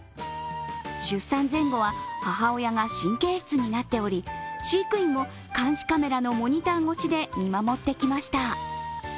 出産前後は母親が神経質になっており飼育員も監視カメラのモニター越しで見守ってきました。